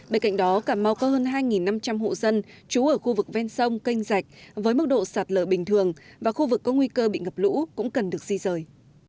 bên cạnh đó cà mau có hơn hai năm trăm linh hộ dân trú ở khu vực ven sông canh rạch với mức độ sạt lở bình thường và khu vực có nguy cơ bị ngập lũ cũng cần được di rời